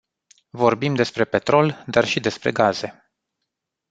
Vorbim despre petrol, dar și despre gaze.